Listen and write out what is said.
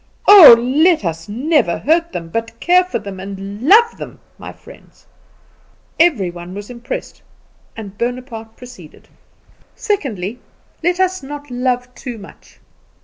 Oh, let us never hurt them; but care for and love them, my friends!" Every one was impressed, and Bonaparte proceeded: "Thirdly; let us not love too much.